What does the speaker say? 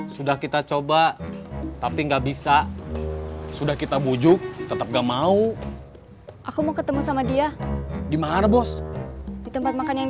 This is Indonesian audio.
sampai jumpa di video selanjutnya